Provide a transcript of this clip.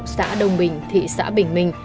xã đông bình thị xã bình minh